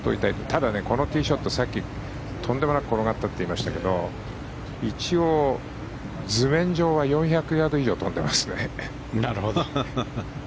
ただ、このティーショットさっきとんでもなく転がったって言いましたけど一応、図面上は４００ヤード以上飛んでますね。